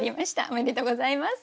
おめでとうございます。